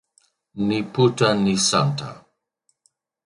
Ni Puta ni Santa.